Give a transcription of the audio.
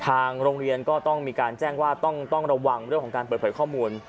ทางโรงเรียนก็ต้องมีการแจ้งว่าต้องระวังเรื่องของการเปิดเผยข้อมูล